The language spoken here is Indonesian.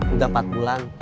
udah empat bulan